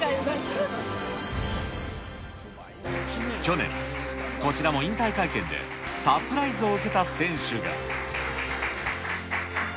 去年、こちらも引退会見でサプライズを受けた選手が。